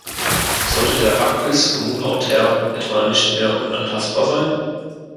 Sollte der Acquis communautaire etwa nicht mehr unantastbar sein?